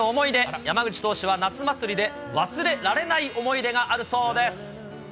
山口投手は、夏祭りで忘れられない思い出があるそうです。